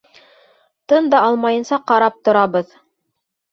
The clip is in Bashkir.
Тын да алмайынса ҡарап торабыҙ.